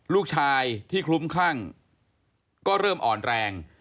ลูกชายที่คลุ้มคลั่งก็เริ่มอ่อนแรง